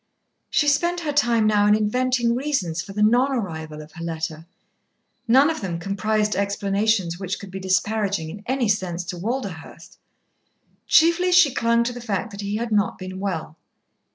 She spent her time now in inventing reasons for the non arrival of her letter. None of them comprised explanations which could be disparaging in any sense to Walderhurst. Chiefly she clung to the fact that he had not been well.